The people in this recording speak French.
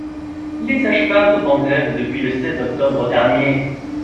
Les sages-femmes sont en grève depuis le seize octobre dernier.